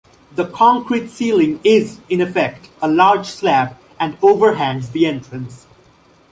The concrete ceiling is, in effect, a large slab, and overhangs the entrance.